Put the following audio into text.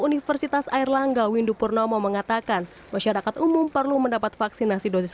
universitas airlangga windu purnomo mengatakan masyarakat umum perlu mendapat vaksinasi dosis